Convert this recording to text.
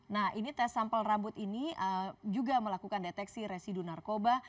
nah ini tes sampel rambut ini juga melakukan deteksi residu narkoba